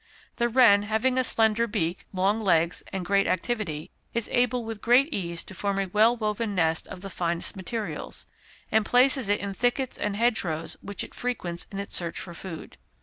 The wren, having a slender beak, long legs, and great activity, is able with great ease to form a well woven nest of the finest materials, and places it in thickets and hedgerows which it frequents in its search for food.